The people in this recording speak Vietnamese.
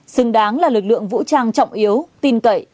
xứng đáng là lực lượng vũ trang trọng yếu tin cậy